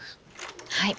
はい。